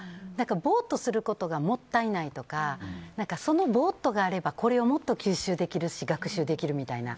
ぼーっとすることがもったいないとかそのぼーっとがあればこれをもっと吸収できるし学習できるみたいな。